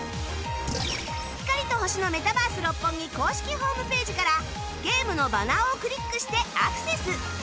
光と星のメタバース六本木公式ホームページからゲームのバナーをクリックしてアクセス